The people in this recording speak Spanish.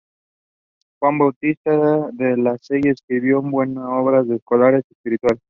Juan Bautista de la Salle escribió un buen número de obras escolares y espirituales.